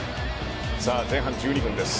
さあ前半１２分です。